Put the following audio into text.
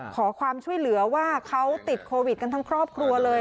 ขอความช่วยเหลือว่าเขาติดโควิดกันทั้งครอบครัวเลย